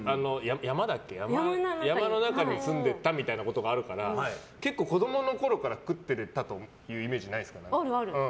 山の中に住んでたみたいなこともあるから結構子供のころから食ってたというイメージないですか？